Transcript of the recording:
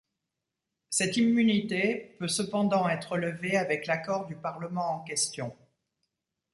Cette immunité peut cependant être levée avec l'accord du parlement en question.